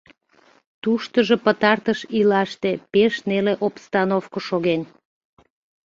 Туштыжо пытартыш ийлаште пеш неле обстановко шоген.